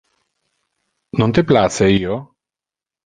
Non te place io?